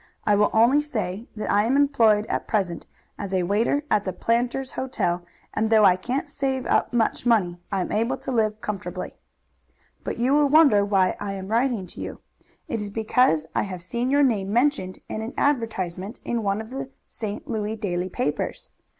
I will only say that I am employed at present as a waiter at the Planters' Hotel, and though I can't save up much money, I am able to live comfortably. But you will wonder why I am writing to you. It is because I have seen your name mentioned in an advertisement in one of the St. Louis daily papers.